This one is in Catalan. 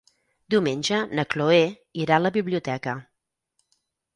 Diumenge na Chloé irà a la biblioteca.